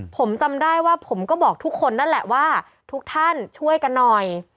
ผมจำได้ว่าผมก็บอกทุกคนนั่นแหละว่าทุกท่านช่วยกันหน่อย